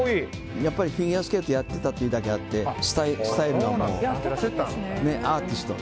フィギュアスケートをやっていたというだけあってスタイルがもうアーティスト。